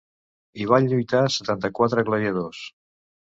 Hi van lluitar setanta-quatre gladiadors.